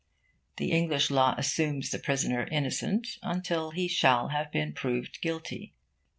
The English law assumes the prisoner innocent until he shall have been proved guilty.